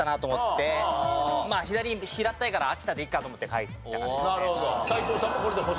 まあ左平たいから秋田でいいかと思って書いた感じですね。